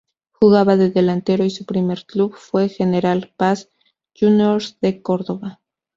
Jugaba de delantero y su primer club fue General Paz Juniors de Córdoba.